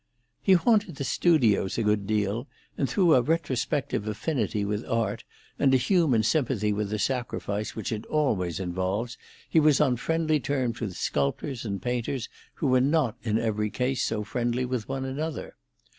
He haunted the studios a good deal, and through a retrospective affinity with art, and a human sympathy with the sacrifice which it always involves, he was on friendly terms with sculptors and painters who were not in every case so friendly with one another.